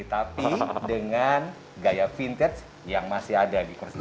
tapi dengan gaya vintage yang masih ada di kursi ini